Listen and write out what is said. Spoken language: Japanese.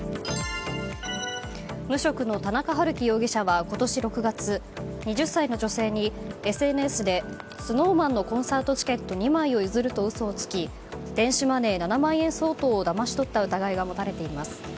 無職の田中遥貴容疑者は今年６月２０歳の女性にＳＮＳでＳｎｏｗＭａｎのコンサートチケット２枚を譲ると嘘をつき電子マネー７万円相当をだまし取った疑いが持たれています。